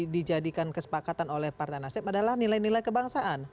dijadikan kesepakatan oleh partai nasib adalah nilai nilai kebangsaan